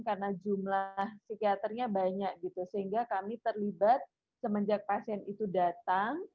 karena jumlah psikiaternya banyak sehingga kami terlibat semenjak pasien itu datang